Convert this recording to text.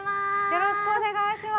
よろしくお願いします。